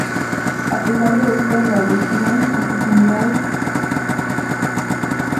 A pesar de esto, la legión, o sus unidades, participaron en varias campañas.